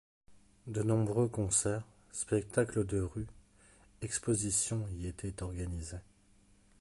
De nombreux concerts, spectacles de rue, expositions y étaient organisés.